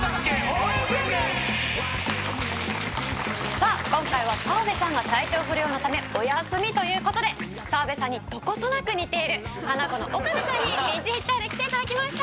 さあ今回は澤部さんが体調不良のためお休みという事で澤部さんにどことなく似ているハナコの岡部さんにピンチヒッターで来て頂きました。